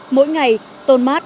mỗi ngày tôn mát